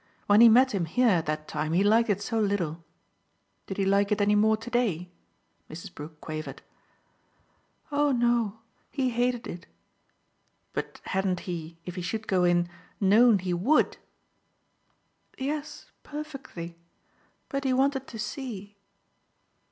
When he met him here that time he liked it so little. Did he like it any more to day?" Mrs. Brook quavered. "Oh no, he hated it." "But hadn't he if he should go in known he WOULD?" "Yes, perfectly. But he wanted to see."